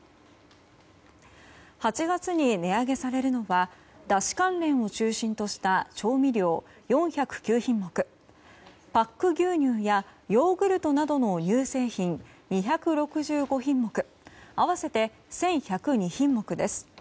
８月に値上げされるのはだし関連を中心とした調味料４０９品目パック牛乳やヨーグルトなどの乳製品２６５品目合わせて１１０２品目です。